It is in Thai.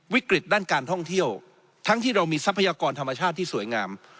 วิกฤตด้านการท่องเที่ยวทั้งที่เรามีทรัพยากรธรรมชาติที่สวยงาม